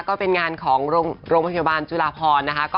ก็เป็นงานของโรงพยาบาลจุฬาพรนะคะ